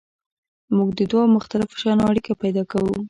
موږ د دوو مختلفو شیانو اړیکه پیدا کوو.